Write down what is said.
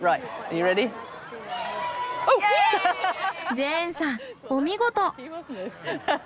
ジェーンさんお見事！